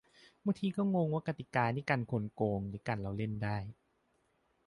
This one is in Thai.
"บางทีก็งงว่ากติกานี่กันคนโกง หรือกันเราเล่นได้"